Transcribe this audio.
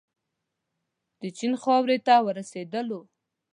د چین خاورې ته ورسېدلو.